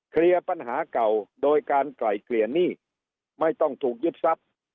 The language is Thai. เคลียร์ปัญหาเก่าโดยการไกล่เกลี่ยหนี้ไม่ต้องถูกยึดทรัพย์